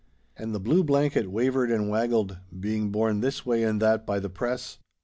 And the Blue Blanket wavered and waggled, being borne this way and that by the press.